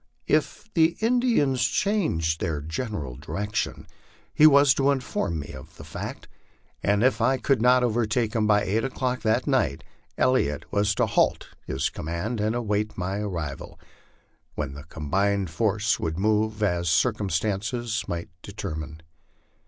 If the Indians changed their general direction, he was to inform me of the fact; and if I could not overtake him by eight o'clock that night, Elliot was to halt his command and await my arrival, when the combined force would move as circumstances might determine.